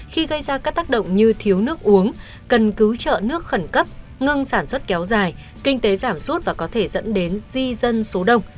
khi gây ra các tác động như thiếu nước uống cần cứu trợ nước khẩn cấp ngưng sản xuất kéo dài kinh tế giảm sút và có thể dẫn đến di dân số đông